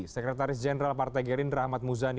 sekretaris jenderal partai gerindra ahmad muzani